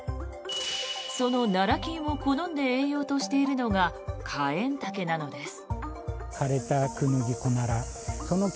そのナラ菌を好んで栄養としているのがカエンタケなのです。